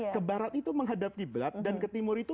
ke barat itu menghadap qiblat dan ke timur itu